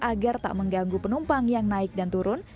agar tak mengganggu penumpang yang naik dan turun